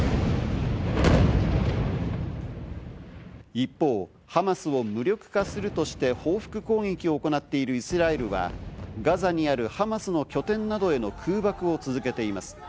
一方、ハマスを無力化するとして報復攻撃を行っているイスラエルは、ガザにあるハマスの拠点などへの空爆を続けています。